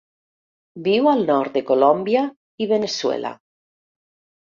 Viu al nord de Colòmbia i Veneçuela.